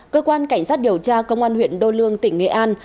cơ quan cảnh sát điều tra công an huyện đô lương tỉnh nghệ an